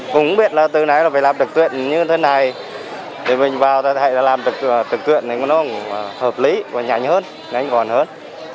cũng biết là từ nãy là phải làm thực tuyện như thế này để mình vào ta thấy là làm thực tuyện này nó hợp lý và nhanh hơn nhanh còn hơn